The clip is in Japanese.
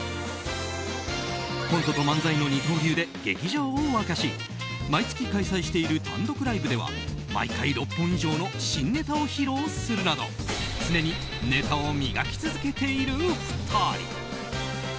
コントと漫才の二刀流で劇場を沸かし毎月、開催している単独ライブでは毎回６本以上の新ネタを披露するなど常にネタを磨き続けている２人。